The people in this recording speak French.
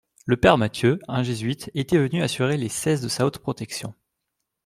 Le père Matthieu, un Jésuite, était venu assurer les Seize de sa haute protection.